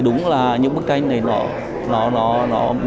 đúng là những bức tranh này nó miêu cầu